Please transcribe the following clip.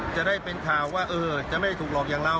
จะได้เป็นข่าวว่าจะไม่ได้ถูกหลอกอย่างเรา